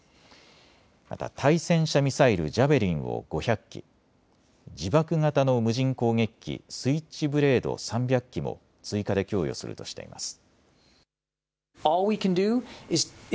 また対戦車ミサイル、ジャベリンを５００基、自爆型の無人攻撃機スイッチブレード３００機も追加で供与するとしています。